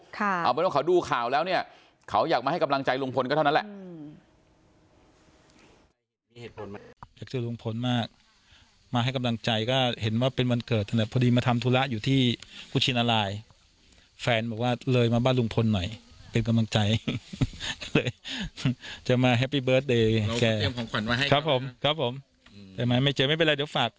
เอาเป็นว่าเขาดูข่าวแล้วเนี่ยเขาอยากมาให้กำลังใจลุงพลก็เท่านั้นแหละ